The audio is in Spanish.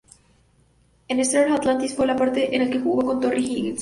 En Stargate Atlantis fue la parte en que jugó con Torri Higginson.